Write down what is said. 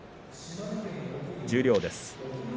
十両です。